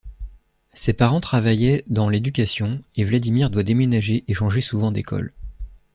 Ses parents travaillaient dans l'éducation, et Vladimir doit déménager et changer souvent d'école.